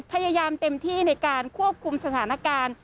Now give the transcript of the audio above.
พยายามเต็มที่ในการควบคุมสถานการณ์